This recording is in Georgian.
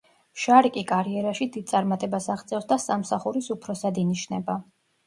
შარიკი კარიერაში დიდ წარმატებას აღწევს და სამსახურის უფროსად ინიშნება.